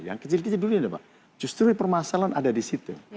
yang kecil kecil dulu ini pak justru permasalahan ada di situ